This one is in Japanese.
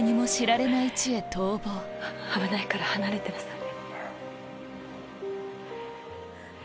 危ないから離れてなさい。